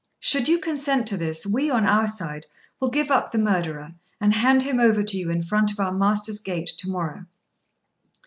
Should you consent to this, we, on our side, will give up the murderer, and hand him over to you in front of our master's gate to morrow."